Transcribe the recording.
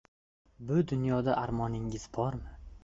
— Bu dunyoda armoningiz bormi?